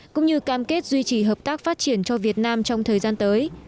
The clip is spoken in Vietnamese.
cũng như cam kết duy trì hợp tác phát triển cho việt nam trong thời gian tới